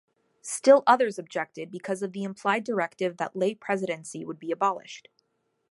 Still others objected because of the implied directive that lay presidency would be abolished.